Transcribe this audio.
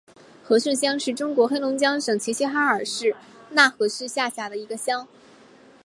和盛乡是中国黑龙江省齐齐哈尔市讷河市下辖的一个乡。